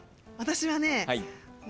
私はね